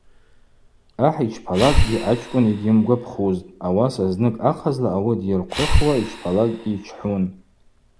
Ахӏ йчпалакӏгьи ачкӏвын йгьйымгвапхузтӏ, ауаса зныкӏ ахъазла ауи дйырхъвыхуа йчпалакӏгьи йчхӏун.